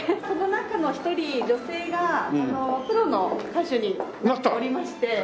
その中の一人女性がプロの歌手になっておりまして。